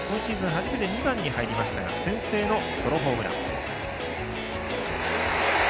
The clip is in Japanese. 初めて２番に入りましたが先制のソロホームラン。